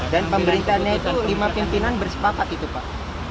dan pemberitahannya itu lima pimpinan bersepakat itu pak